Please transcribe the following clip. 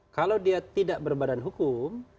kalau dia tidak berbadan hukum